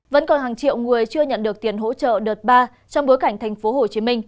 vẫn còn hàng triệu người chưa nhận được tiền hỗ trợ đợt ba trong bối cảnh tp hcm